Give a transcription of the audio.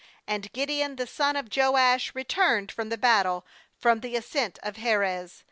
KAnd Gideon the son of Joash returned from the battle from the ascent of Heres.